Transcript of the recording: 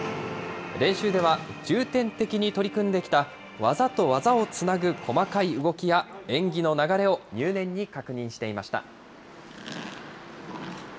練習では、重点的に取り組んできた技と技をつなぐ細かい動きや、演技の流れを入念に確認していました。